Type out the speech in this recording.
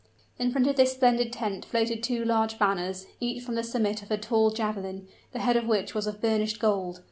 In front of this splendid tent floated two large banners, each from the summit of a tall javelin, the head of which was of burnished gold.